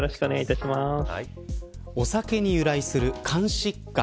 お酒に由来する肝疾患